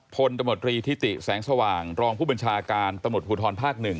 พลตมตรีทิติแสงสว่างรองผู้บัญชาการตำรวจภูทรภาค๑